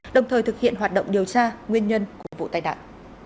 đồng thời thực hiện hoạt động điều tra nguyên nhân của vụ tai nạn